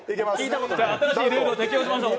新しいルールを適用しましょう。